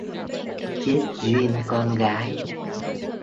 Chết Duyên con gái